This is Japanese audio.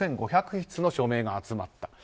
６５００筆の署名が集まった。